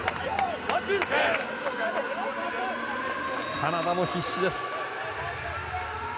カナダも必死です。